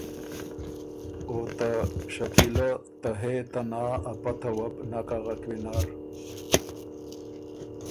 او ته شکیله ته ”هې ته نا“ ا پته وه بو نک اغک وینر۔